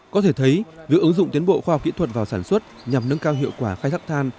có thể thấy việc ứng dụng tiến bộ khoa học kỹ thuật vào sản xuất nhằm nâng cao hiệu quả khai thác than